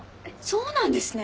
そうなんですね。